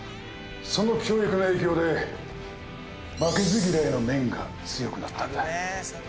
その教育の影響で負けず嫌いの面が強くなったんだ。